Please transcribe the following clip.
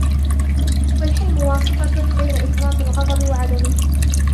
وَالْحِلْمُ وَاسِطَةٌ بَيْنَ إفْرَاطِ الْغَضَبِ وَعَدَمِهِ